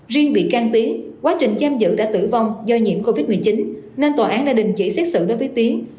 riêng bị can tiến quá trình giam giữ đã tử vong do nhiễm covid một mươi chín nên tòa án đã đình chỉ xét xử đối với tiến